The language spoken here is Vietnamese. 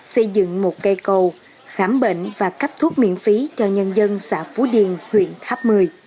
xây dựng một cây cầu khám bệnh và cấp thuốc miễn phí cho nhân dân xã phú điền huyện tháp một mươi